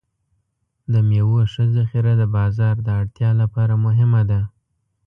د میوو ښه ذخیره د بازار د اړتیا لپاره مهمه ده.